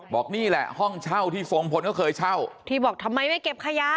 บอกนี่แหละห้องเช่าที่ทรงพลเขาเคยเช่าที่บอกทำไมไม่เก็บขยะ